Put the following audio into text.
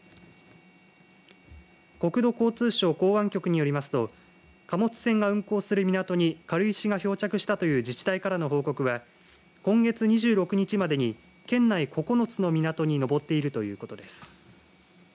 国土交通省港湾局によりますと貨物船が運航する港に軽石が漂着したという自治体からの報告は今月２６日までに県内９つの港に上っているということです。